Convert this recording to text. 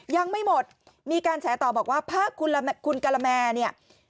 ยังไม่หมดมีการแฉต่อบอกว่าพระคุณกะละแมเนี่ย